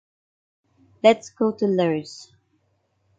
Let's go to Llers.